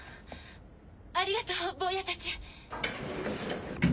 ありがとう坊やたち。